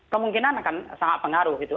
kemungkinan akan sangat pengaruh gitu